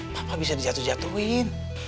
papa bisa dijatuh jatuhin